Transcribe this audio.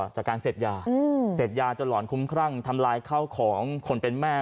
จากการเสพยาเสพยาจนหลอนคุ้มครั่งทำลายข้าวของคนเป็นแม่